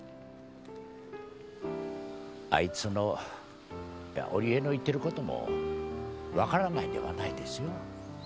あいつのいや織江の言ってることも分からないではないですよ。